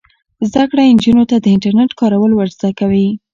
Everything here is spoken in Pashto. زده کړه نجونو ته د انټرنیټ کارول ور زده کوي.